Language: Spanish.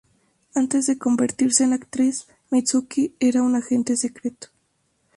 Antes de convertirse en actriz, Mitsuki era un agente secreto.